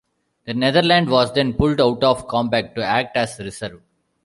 The "Nederland" was then pulled out of combat to act as reserve.